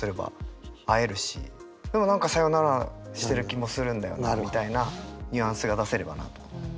でも何かサヨナラしてる気もするんだよなみたいなニュアンスが出せればなと。